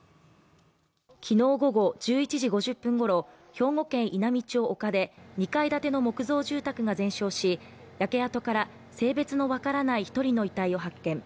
昨日午後１１時５０分ごろ、兵庫県稲美町岡で２階建ての木造住宅が全焼し、焼け跡から性別の分からない１人の遺体を発見。